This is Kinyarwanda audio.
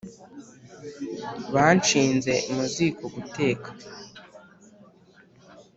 banshize mu ziko guteka.